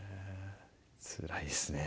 つらいですね